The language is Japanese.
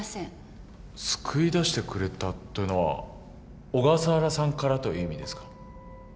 「救い出してくれた」というのは小笠原さんからという意味ですか？